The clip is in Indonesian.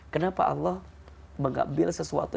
kenapa allah mengambil sesuatu